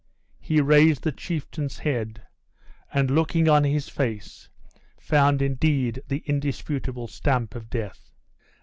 He raised the chieftain's head, and, looking on his face, found indeed the indisputable stamp of death.